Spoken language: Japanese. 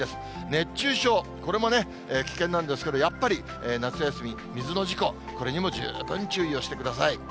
熱中症、これも危険なんですけど、やっぱり夏休み、水の事故、これにも十分注意をしてください。